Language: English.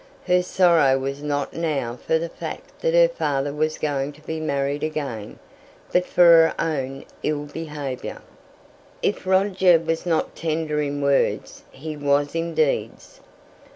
Her sorrow was not now for the fact that her father was going to be married again, but for her own ill behaviour. If Roger was not tender in words, he was in deeds.